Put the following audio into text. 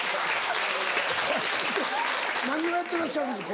何をやってらっしゃるんですか？